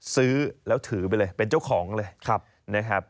ซื้อแล้วถือไปเลยเป็นเจ้าของเลยนะครับ